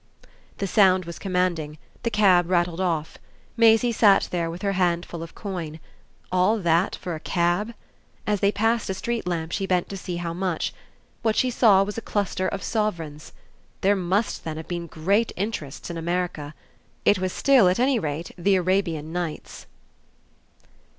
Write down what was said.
The sound was commanding: the cab rattled off. Maisie sat there with her hand full of coin. All that for a cab? As they passed a street lamp she bent to see how much. What she saw was a cluster of sovereigns. There MUST then have been great interests in America. It was still at any rate the Arabian Nights.